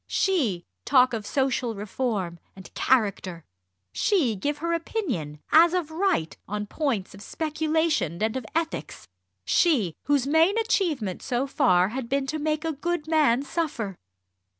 she talk of social reform and "character," she give her opinion, as of right, on points of speculation and of ethics, she, whose main achievement so far had been to make a good man suffer!